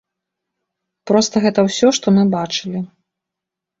Проста гэта ўсё, што мы бачылі.